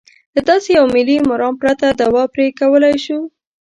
له داسې یوه ملي مرام پرته دوا پرې کولای شو.